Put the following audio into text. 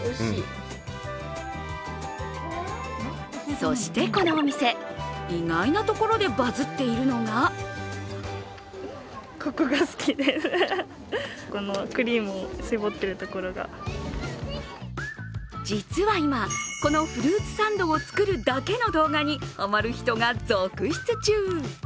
そしてこのお店、意外なところでバズっているのが実は今、このフルーツサンドを作るだけの動画にはまる人が続出中。